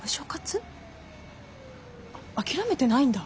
諦めてないんだ。